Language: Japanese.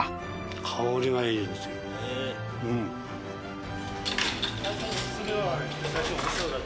香りがいいんですよ。